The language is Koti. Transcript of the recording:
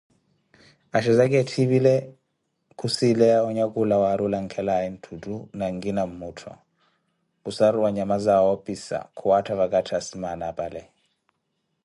Axhezaka etthipile, khusileya onyakhula waarulankhale ntthutto na nkina mmuttho, khusaruwa nyama zawoopisa khuwattha vakatthi asimaana apale.